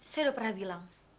saya udah pernah bilang